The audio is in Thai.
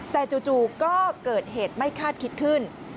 แต่จู่ก็เกิดเหตุไม่คาดคิดขึ้น